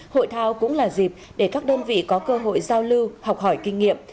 hội thao cũng là dịp để các đơn vị có cơ hội giao lưu học hỏi kinh nghiệm